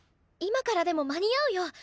今からでも間に合うよ！